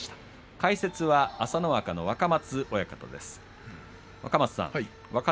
解説は朝乃若の若松親方です。